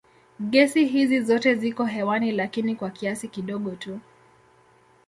Gesi hizi zote ziko hewani lakini kwa kiasi kidogo tu.